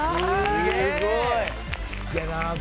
すごい！